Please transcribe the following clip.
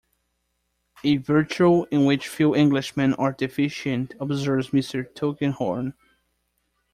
"A virtue in which few Englishmen are deficient," observes Mr. Tulkinghorn.